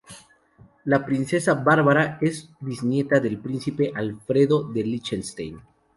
La princesa Bárbara es bisnieta del príncipe Alfredo de Liechtenstein.